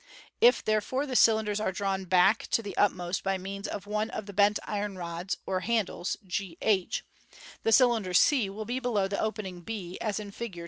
If, therefore, the cylindrrs are drawn back to the utmost by means of one of the bent iron rods or handles g h, the cylinder c will be below the opening b, as in Fig.